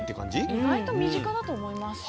意外と身近だと思います。